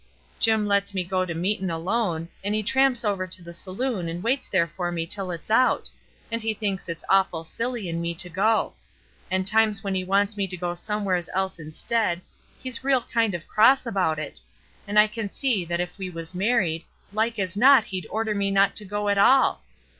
Jim lets me go to meetin' alone, an' he tramps over to the saloon and waits there for me till it's out; and he thinks it's awful silly in me to go; an' times when he wants me to go somewheres else instead, he's real kind of cross about it; an' I can see that if we was married, like as not he'd order me not to go at all